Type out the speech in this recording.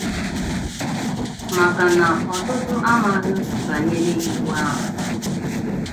maka na ọtụtụ amaghị banyere iwu ahụ